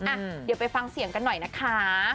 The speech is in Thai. อ่ะเดี๋ยวไปฟังเสียงกันหน่อยนะคะ